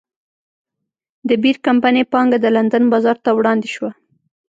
د بیر کمپنۍ پانګه د لندن بازار ته وړاندې شوه.